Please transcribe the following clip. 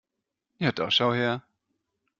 Ja da schau her!